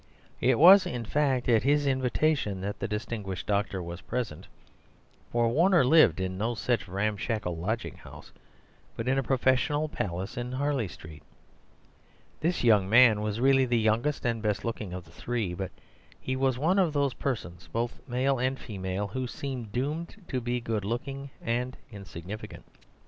It was, in fact, at his invitation that the distinguished doctor was present; for Warner lived in no such ramshackle lodging house, but in a professional palace in Harley Street. This young man was really the youngest and best looking of the three. But he was one of those persons, both male and female, who seem doomed to be good looking and insignificant.